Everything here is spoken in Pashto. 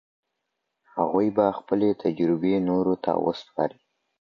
هغوی به خپلي تجربې نورو ته ورسپاري.